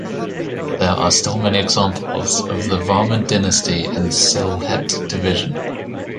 There are still many examples of the Varman dynasty in Sylhet division.